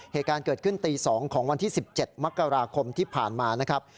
เหตุการณ์เกิดขึ้นตี๒ของวันที่๑๗มกราคมที่ผ่านมานะครับ